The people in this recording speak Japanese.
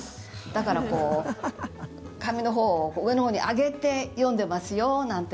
だから、紙のほうを上のほうに上げて読んでますよなんて